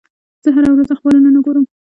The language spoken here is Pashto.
زه هره ورځ اخبار نه ګورم.